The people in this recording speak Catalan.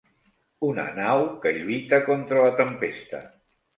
Una nau que lluita contra la tempesta.